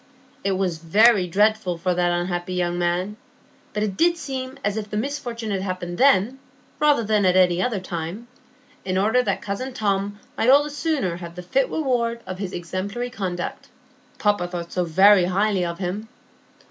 It was very dreadful for that unhappy young man, but it did seem as if the misfortune had happened then, rather than at any other time, in order that cousin Tom might all the sooner have the fit reward of his exemplary conduct,—papa thought so very highly of him.